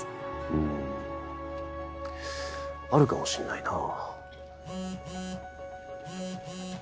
うんあるかもしんないな。